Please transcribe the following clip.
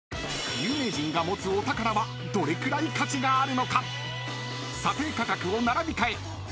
［有名人が持つお宝はどれくらい価値があるのか！？］